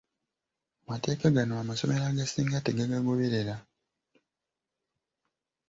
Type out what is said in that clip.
Amateeka gano amasomero agasinga tegagagoberera.